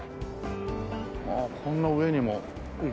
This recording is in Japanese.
ああこんな上にも。